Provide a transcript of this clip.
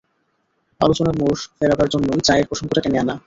আলোচনার মোড় ফেরাবার জন্যেই চায়ের প্রসঙ্গটা টেনে আনা।